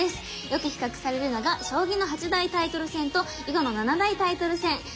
よく比較されるのが将棋の八大タイトル戦と囲碁の７大タイトル戦。